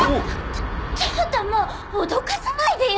ちょちょっともうおどかさないでよ！